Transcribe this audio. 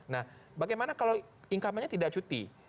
nah bagaimana kalau income nya tidak cuti